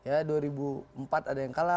ya dua ribu empat ada yang kalah